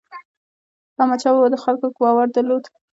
احمدشاه بابا د خلکو باور درلود.